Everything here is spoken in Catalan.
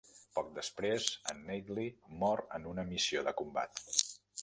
Poc després, en Nately mor en una missió de combat.